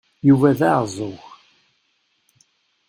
Yuba d aɛeẓẓug.